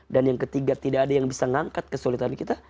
dan yang ketiga tidak ada yang bisa mengangkat kesulitan kita